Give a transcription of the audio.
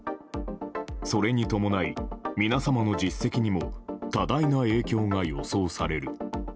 それに伴い、皆様の実績にも多大な影響が予想される。